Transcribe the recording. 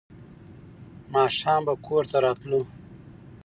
ماښام به کور ته راتلو.